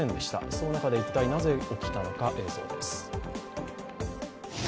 その中で一体なぜ起きたのか、映像です。